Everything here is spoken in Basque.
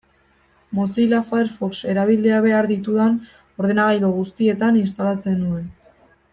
Mozilla Firefox erabili behar ditudan ordenagailu guztietan instalatzen nuen.